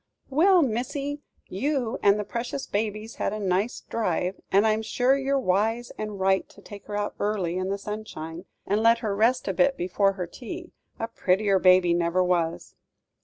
"Well, missy, you and the precious baby's had a nice drive; and I'm sure you're wise and right to take her out early, in the sunshine, and let her rest a bit before her tea a prettier baby never was."